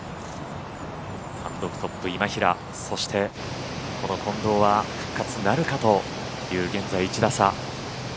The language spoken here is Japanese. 単独トップ・今平そしてこの近藤は復活なるかという現在１打差。